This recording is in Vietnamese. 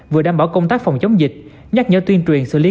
vừa đảm bảo công tác phòng chống dịch nhắc nhở tuyên truyền xử lý